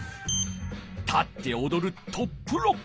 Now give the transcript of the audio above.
立っておどるトップロック。